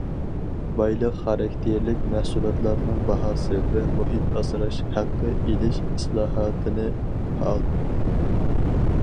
بايلىق خاراكتېرلىك مەھسۇلاتلارنىڭ باھاسى ۋە مۇھىت ئاسراش ھەققى ئېلىش ئىسلاھاتىنى پائال،.